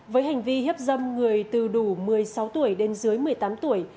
với hành vi hiếp dâm người từ đủ một mươi sáu tuổi đến dưới một mươi tám tuổi